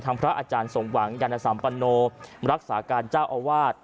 ทำพระอาจารย์สงวังยันตสัมปันนโธรักษาการเจ้าอวาด